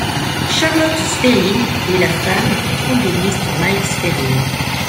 Charlotte Zwerin est la femme du tromboniste Mike Zwerin.